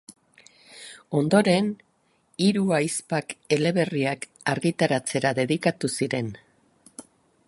Ondoren, hiru ahizpak eleberriak argitaratzera dedikatu ziren.